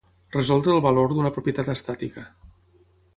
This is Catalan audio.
Resoldre el valor d'una propietat estàtica.